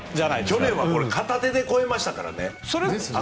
去年は片手で越えましたからね。